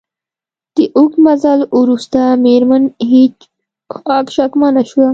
د اوږد مزل وروسته میرمن هیج هاګ شکمنه شوه